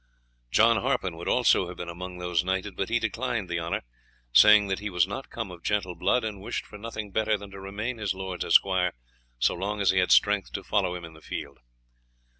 John Harpen would also have been among those knighted, but he declined the honour, saying that he was not come of gentle blood, and wished for nothing better than to remain his lord's esquire so long as he had strength to follow him in the field.